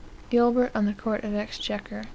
Gilbert on the Court of Exchequer, ch.